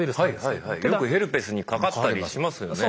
よくヘルペスにかかったりしますよね。